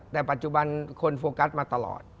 แต่ปัจจุบันคนโฟกัสมาตลอด